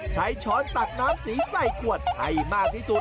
ช้อนตักน้ำสีใส่ขวดให้มากที่สุด